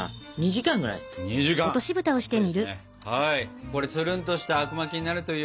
これつるんとしたあくまきになるといいよね。